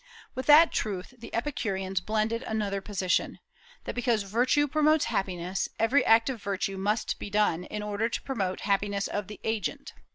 With that truth the Epicureans blended another position, that because virtue promotes happiness, every act of virtue must be done in order to promote the happiness of the agent.